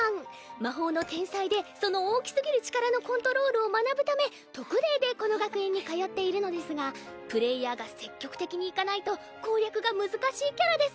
魔法の天才でその大きすぎる力のコントロールを学ぶため特例でこの学園に通っているのですがプレイヤーが積極的にいかないと攻略が難しいキャラです。